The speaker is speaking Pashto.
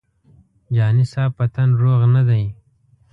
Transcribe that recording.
جهاني صاحب په تن روغ نه دی.